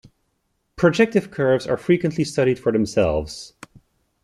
Projective curves are frequently studied for themselves.